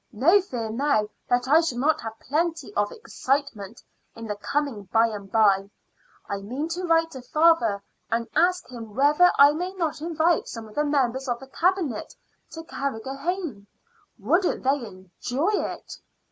"No fear now that I shall not have plenty of excitement in the coming by and by. I mean to write to father and ask him whether I may not invite some of the members of the Cabinet to Carrigrohane. Wouldn't they enjoy it?